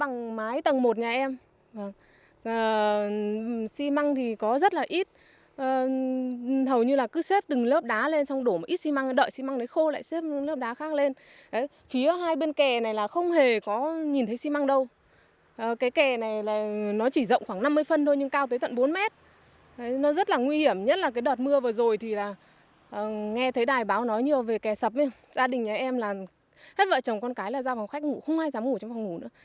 gia đình nhà em là hết vợ chồng con cái là ra phòng khách ngủ không ai dám ngủ trong phòng ngủ nữa